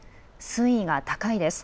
水位が高いです。